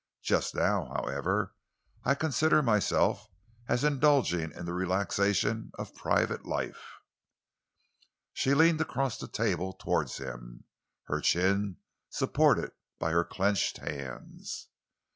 "Just now, however, I consider myself as indulging in the relaxation of private life." She leaned across the table towards him, her chin supported by her clenched hands.